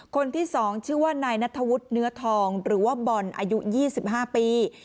คนที่๒ชื่อว่านายนัทธวุฒิเนื้อทองหรือว่าบอลอายุ๒๕ปี